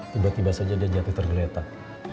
tiba tiba saja dia jatuh tergeletak